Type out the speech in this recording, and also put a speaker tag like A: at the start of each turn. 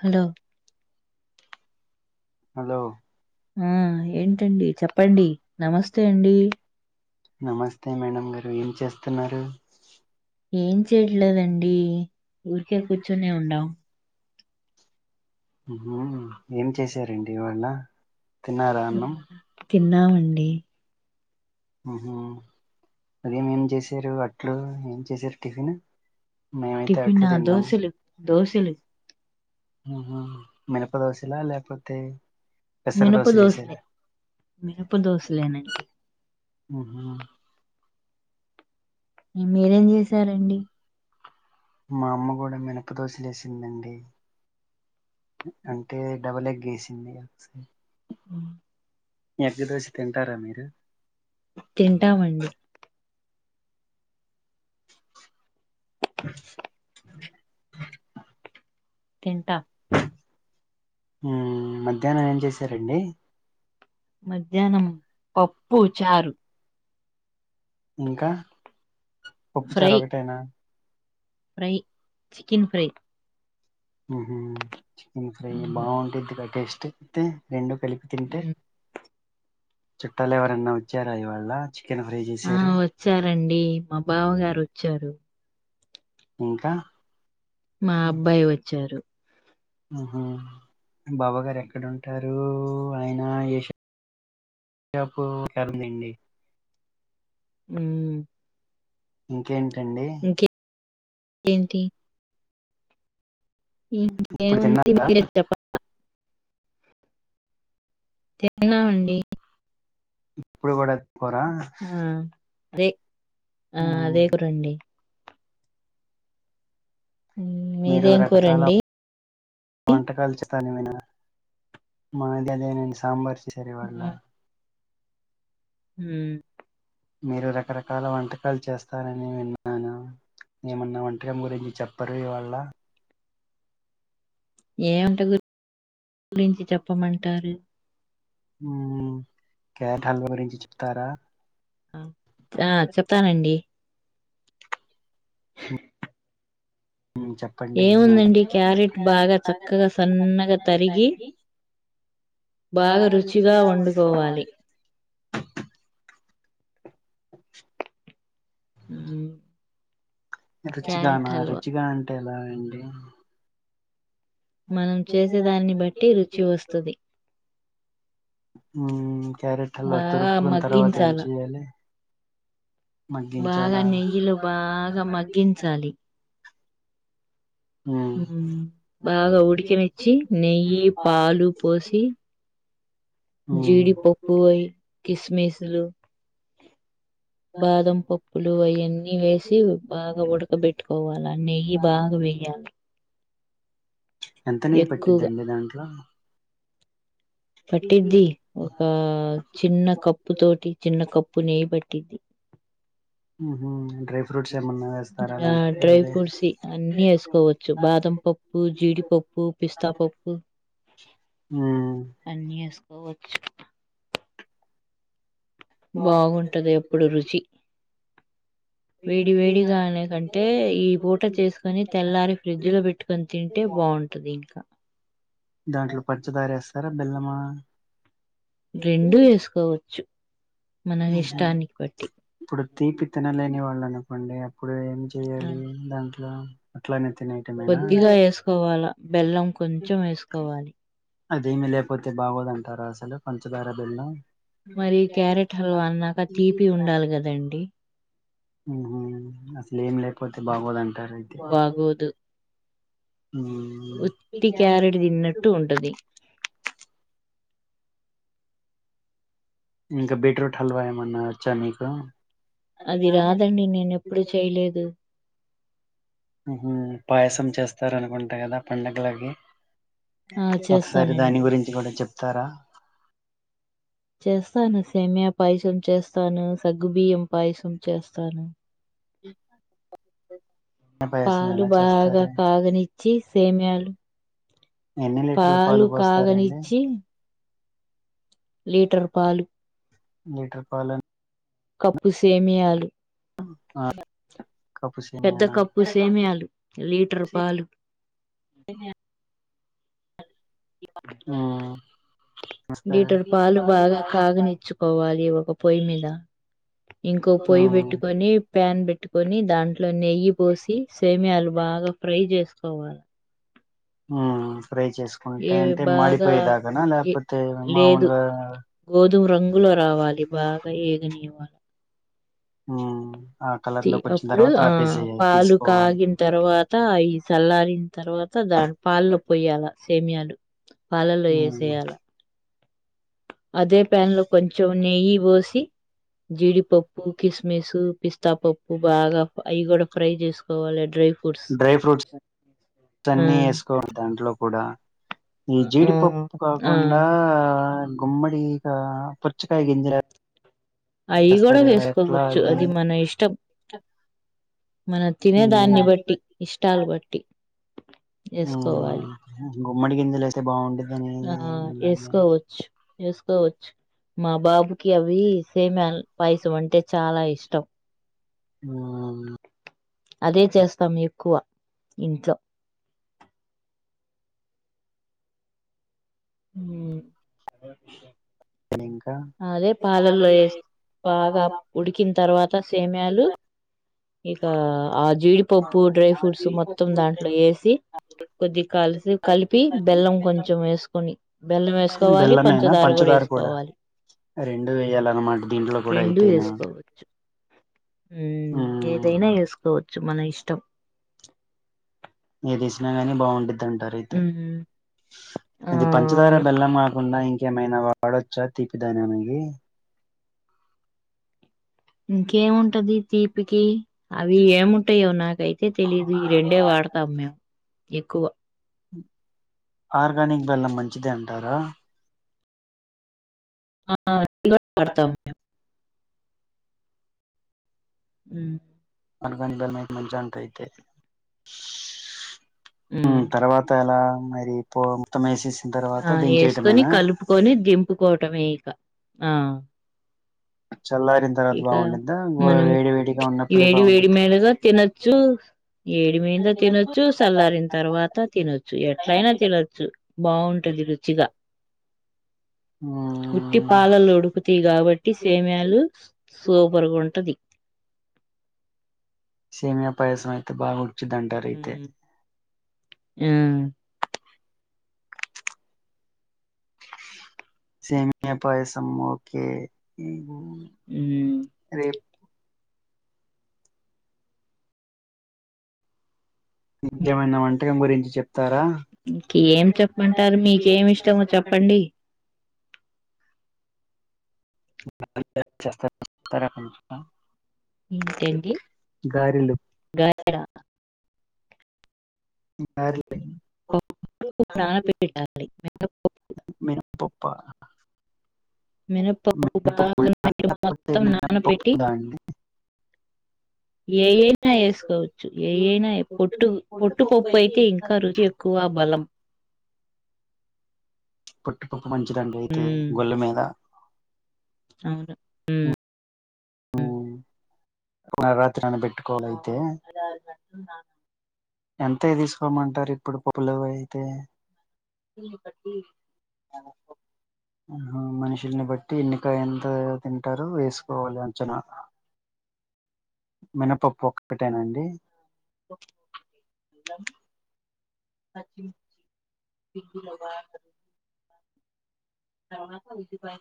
A: Hello
B: hello నమస్తే madam గారు ఏం చేస్త త్తన్నారున్నారు
A: ఏం చేయట్లేదండి ఊరికే కూర్చునే ఉండం
B: ఏం చేశారంండివాళ
A: తిన్నామండి
B: ఆహా అదే మేం చేసారు అ అట్లు ఏం చేసారు టిఫిన్
A: టిఫన్ ఆ దోశలు దోశలు
B: ఆహ మినప దోశలా అ లేకా పో తే
A: మినపు దోసలే మినపు దోసలేనేలాండి
B: ఆహ
A: మీరేం చేసారంండి
B: పప్పుదోసలు వేసిందండి అంటే డబల్ ఎగ్ వేసిందిస నజ [unintelligible] తార మీరు
A: తింటామండి
B: హు మ్ మధ్యాహ్నం ఏం చేశారండి
A: మధ్యాహ్నం పప్పు చారు
B: ఇంకా ఉప్పుచారు ఒకటేనా
A: ఫ్రై చికెన్ ఫ్రై
B: హూ హూ చికెన్ ఫ్రై బాగుంటుదిగా టేస్ట్ తే రెండు కలిపి తింటే చుట్టలు ఎవరన్నా వచ్చా కాైవాళ్ళ
A: ఆ వచ్చారండి మా బావ గారు వచ్చారు
B: ఇంకా
A: మా అబ్బాయి వచ్చారు
B: ఆ బాబా గారు ఎక్కడంటారు ఆయన ఏషాపుారుందండి
A: ఉ మ్
B: ఇంకేంటండి
A: ఇంే ఉ తరుష్టప్ప తిన్నామండి ఆ అదే ఆ అదే కూరండి
B: మీరు రకకాల వంటకాలు మ ఇదే నడి సాంబార్ చసరి పడలా మీరు రకరకాల వంటకాలు చేస్తార నేను విన్నాను ఏమన్నా వంటకం గురించి చెప్పరు ఇవాళ
A: ఏమంట గురి గురించి చెప్పమంటారు
B: హ క్యా హల్ వగర ఇంచి తర
A: ఆ చెప్ానండి
B: చెప్పండికుండి బా తరిగి బాగా రుచిగా వండుకోవాలి
A: అ
B: రరుచి కాణ రరుచి కాంట అ ఎలాగండి
A: మనం చేసేదాన్ని బట్టి రుచి వస్తుంది
B: క్యారెట్ అల తురుకుకున్న తర్వాత ఏం చెయ్యాలి
A: బాగా నెయ్యిలు బాగా మగ్గించాలి బాగా ఉడికనిచ్చి నెయ్యి పాలు పోసి జీడి పపువై కిస్మిస్లు బాదం పప్పులు అవన్నీ వేసి బాగా ఉడకబెట్టుకోవాలి నెయ్యి బాగా వేయాలి
B: ఎంతనే్య పట్టిద్దండి దాంట్లో
A: పట్టిద్ది ఒక చిన్న కప్పు తోటి చిన్న కప్పు నెయ్యి పట్టి దిది
B: ఉహూ
A: ఆహ్ డ్రై ఫ్రూట్స్ అన్ని వేసుకోవచ్చు బాదం పప్పు జీడిపప్పు పిస్తాపప్పు అన్ని వేసుకో ఓచ్చు బాగుంటది ఎప్పుడు రుచి వేడి వేడిగానేకంటే ఈ పూట చేసుకొని తెల్లారి ఫ్రిడ్జ్ లో పెట్టుకొని తింటే బాగుంటది ఇంకా.
B: దాంట్లో పంచదారేస్తారా బెల్లమా ఆ
A: రెండూ వేసుకోవచ్చు మన ఇష్టాన్ని బట్టి
B: ఇప్పుడు తీపితినలేని వాళ్ళను మళ్లీ ఎప్పుడొ ఏం చేయాలి లం ఆ అట్లానే
A: కొద్దిగా వేసుకోవాలా బెల్లం కొంచెం వేసుకోవాలి
B: అది ఈమె లేపోతే బా అవ్వదంటార అసలు పంచదార బెల్లం
A: మరి క్యారెట్ హల్వా అన్నాక తీపి ఉండాలి కదండీ
B: ఉహూ నస మేం లేకపోతే బాగోదంటారా అయితే ఉమ్ ఇంకా బీట్రూట్ హల్వా ఏమన్నా చ్చ మీకు
A: అది రాదండి నేను ఎప్పుడు చేయలేదు
B: ఉమ్ పాయసం చేస్తార అనుకోన్ ప లేదా పండగలగి ఒకసారి దాని గురించి కూడా చెప్ చెర
A: చేస్తాను సేమ్య పాయసం చేస్తాను సగ్గుబియ్యం పాయసం చేస్తాను
B: ఉమ్
A: పాలు బాగా కాగనిచ్చి సేమయాలు, పాలు కాగనిచ్చి
B: లీటర్ పాలు లీటర్ పాలన్
A: కప్పు సేమియాలు
B: ఆ
A: పెద్ద కప్పు సేమియాలు లీటర్ పాలు లీటర్ పాలు బాగా కాగనిచ్చుకోవాలి ఒక పొయ్ మీద ఇంకో పొయ్యి పెట్టుకొని ప్యాన్ పెట్టుకొని దాంట్లో నెయ్యి పోసి సేమియా లుు బాగా ఫ్రయ్ చేసుకోవాలి
B: అంటే మాడిపోయేదాకానా లేకపోతే మాములుగా
A: గోధుమ రంగులో రావాలి బాగా ఏగనివ్వాలి
B: ఆ
A: అప్పుడు ఆ పాలు కాగిన తర్వాత అ ఈ సల్లారిన తర్వాత దాని పాలల్లో పోయ్యాల సేమయాలు పాలల్లో యేసేయాల అదే ప్యాన్ లో కొంచెం నెయ్యి పోసి జీడిపప్పు కిస్మిసు పిస్తాపప్పు బాగా అవి కూడా ఫ్రై చేసుకోవాలి
B: డ్రై ఫ్రూట్స్ అన్నిీ వేసుకోి దాంట్లో కూడా ఈ జీడిపప్పు కాకుండా గుమ్మడిీగా పుచ్చకాయ గింజరా
A: అవి కూడా వేసుకోవచ్చు అది మన ఇష్టం
B: గుమ్మడి గిజలు అయితే బాగుండేది
A: ఆ వేసుకోవచ్చు వేసుకోవచ్చు మా బాబుకి అవి సేమ్యాల్ పాయసం అంటే చాలా ఇష్టం అదే చేస్తాం ఎక్కువ ఇంట్లో హ అదే పాలల్లోే యేస్ బాగా ఉడికిన తర్వాత సేమ్యలు ఇక ఆ జీడిపప్పు డ్రై ఫ్రూట్స్ మొత్తం దాంట్లో వేసి కొద్దిగా కలిసి కలిపి బెల్లం కొంచెం వేసుకొని బెల్లం వేసుకోవాలి పంచదార కూడా వేసుకోవాలి రెండు వేసుకోవచ్చు ఏదైనా వేసుకోవచ్చు మనకి ఇష్టం
B: ఏదదేసినా గాని బాగుంటది తన్ అదయితే అది పంచదార బెల్లం కాకుండా ఇంకా యేమైనా వాడొచ్చా తీపిదాని అకి
A: ఇంకేముంటుంది తీపికి అవి ఏముంటాయో నాకయితే తెలీదు ఈ రెండే వాడతాం మేము ఎక్కువ
B: అ ఆర్గానిక్ బెల్లం మంచిదే అంటారా
A: ఆ పడతాం మేము అ
B: ఆర్గాని నుంచించి అంత అయితే తర్వాత అలా మరి పో మొత్తం వేసేసిన తర్వాత దీని చేయటమేనా
A: ఇక మనం ఏడి వేడి మీదగా తినొచ్చు ఏడి మీద తినొచ్చు చల్లారిన తర్వాత తినొచ్చు ఎట్లయినా తినచ్చు బాగుంటది రుచిగా ఉట్టి పాలలు ఉడుకుతాయి కాబట్టి సేమ్యాలు సూపర్గా ఉంటది
B: సేమయా పాయేస అయితే బాగా ఉచ్చి దండి ఎంట రీతే
A: ఆ
B: సేమయా పయసము కే రేపు ముకేమైన వంటకం గురించి చెప్తారాం నాకా
A: ఏంటండి గ
B: గారెలు
A: మినప్పకు బాగా మొత్తం నానపెట్టి ఏ అయినా వేసుకోవచ్చు ఏ అయినా పొట్టు పొట్టుపప్పు అయితే ఇంకా రుచి ఎక్కువ బలం
B: పుట్టిపప్పు మంచిదం అయితే గొల్ల మీద
A: అవును హ
B: నవరాత్రి అని పెట్టుకోవాల అయితే ఎంత తీసుకోమంటారు ఇప్పుడు పప్పుల అయితే మనుషుల్ని బట్టి ఎన్నిక ఎంత తింటారు వేసుకోవాలి అంచనా మినపప్పు ఒకటేనాండి అ ఉల్లిపాయ